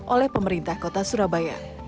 oleh pemerintah kota surabaya